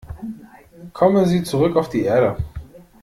Kommen Sie zurück auf die Erde.